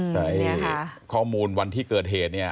แต่ข้อมูลวันที่เกิดเหตุเนี่ย